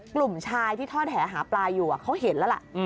กลุ่มชายที่ทอดแหหาปลาอยู่เขาเห็นแล้วล่ะ